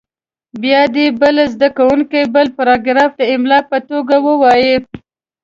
بیا دې بل زده کوونکی بل پاراګراف د املا په توګه ووایي.